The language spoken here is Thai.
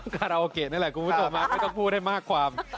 คาราโอเกะนี่แหละคุณผู้ชมไม่ต้องพูดให้มากความ